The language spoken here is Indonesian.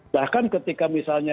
bahkan ketika misalnya